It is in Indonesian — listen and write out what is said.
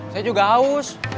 saya juga haus